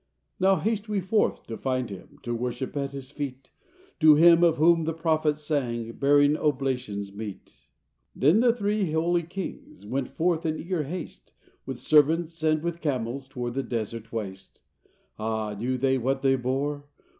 Now haste we forth to find Him— To worship at His feet, To Him of whom the prophets sang Bearing oblations meet!” Then the Three Holy Kings Went forth in eager haste, With servants and with camels, Toward the desert waste. Ah! knew they what they bore?